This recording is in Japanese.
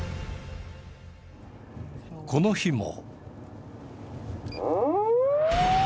この日も。